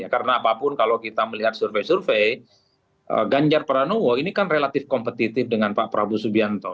karena apapun kalau kita melihat survei survei ganjar pranowo ini kan relatif kompetitif dengan pak prabu subianto